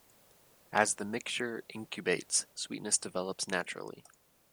As the mixture incubates, sweetness develops naturally.